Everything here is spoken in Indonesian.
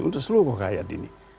untuk seluruh rakyat ini